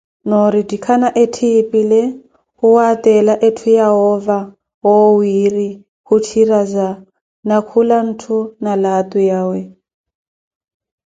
Noorettikhana etthiipile, khuwaatela etthu yahoova, oowiiri khutthiraza, na khula ntthu laatu yawe.